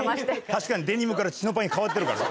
確かにデニムからチノパンに変わってるから。